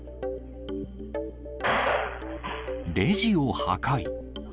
レジを破壊。